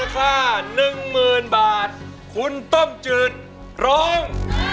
คุณต้มจืดร้อง